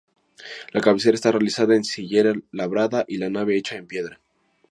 La cabecera está realizada en sillería labrada y la nave hecha en piedra.